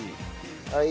はい。